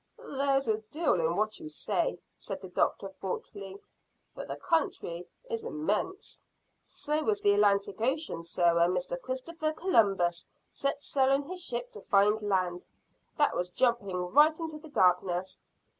"There's a deal in what you say," said the doctor thoughtfully, "but the country is immense." "So was the Atlantic Ocean, sir, when Mr Christopher Columbus set sail in his ship to find land. That was jumping right into the darkness."